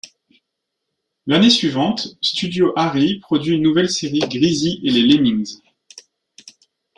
L'année suivante, Studio Hari produit une nouvelle série Grizzy et les Lemmings.